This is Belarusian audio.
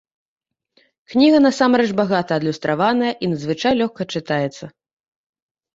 Кніга насамрэч багата адлюстраваная і надзвычай лёгка чытаецца.